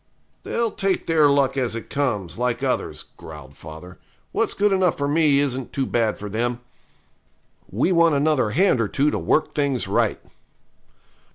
'They'll take their luck as it comes, like others,' growled father; 'what's good enough for me isn't too bad for them. We want another hand or two to work things right.'